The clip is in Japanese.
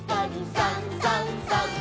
「さんさんさん」